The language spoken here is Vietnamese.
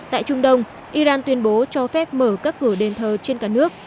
tại trung đông iran tuyên bố cho phép mở các cửa đền thờ trên cả nước